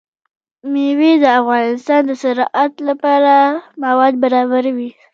مېوې د افغانستان د صنعت لپاره مواد برابروي.